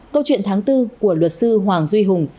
câu chuyện tháng bốn của luật sư hoàng duy hùng